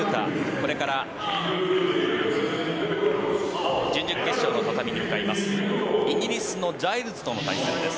これから準々決勝の畳に向かいます。